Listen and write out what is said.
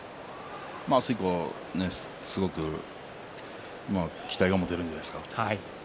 明日以降すごく期待が持てるんじゃないですか。